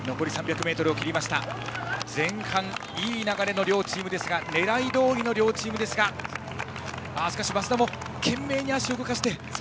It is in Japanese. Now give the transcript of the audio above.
前半、いい流れの両チームですが狙いどおりの両チームですがしかし増田も懸命に足を動かして。